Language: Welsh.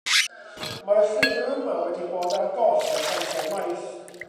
Mae'r llyfr yma wedi bod ar goll ers amser maith.